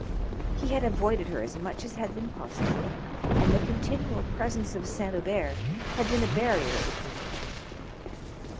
He had avoided her as much as had been possible, and the continual presence of Saint Hubert had been a barrier between them.